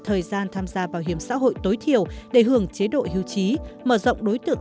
thời gian tham gia bảo hiểm xã hội tối thiểu để hưởng chế độ hưu trí mở rộng đối tượng